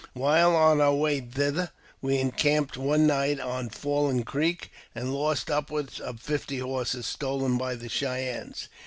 While on our way « thither, we encamped one night on Fallen Creek, and IosMI upward of fifty horses, stolen by the Cheyennes.